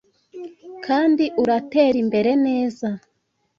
kandi uratera imbere neza